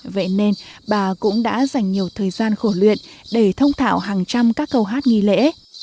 vậy nên bà cũng đã dành nhiều thời gian khổ luyện để thông thạo hàng trăm các câu hát nghi lễ